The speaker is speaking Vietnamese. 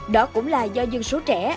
đó cũng là do dân số trẻ